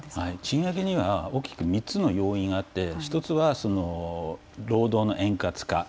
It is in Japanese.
賃上げには大きく３つの要因があって一つは労働の円滑化